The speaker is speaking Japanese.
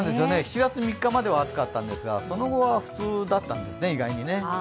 ７月３日までは暑かったんですがその後は意外に普通だったんですよね。